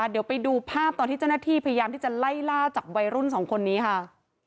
เดี๋ยวไปดูภาพตอนที่เจ้าหน้าที่พยายามที่จะไล่ล่าจับวัยรุ่นสองคนนี้ค่ะ